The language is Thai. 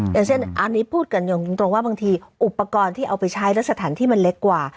อย่างเช่นอันนี้พูดกันตรงว่าบางทีอุปกรณ์ที่เอาไปใช้และสถานที่มันเล็กกว่า